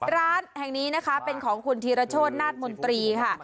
ร้านแห่งนี้นะคะเป็นของคุณธีรโชธนาฏมนตรีค่ะ